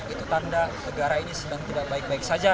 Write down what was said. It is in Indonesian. itu tanda negara ini sedang tidak baik baik saja